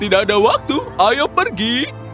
tidak ada waktu ayo pergi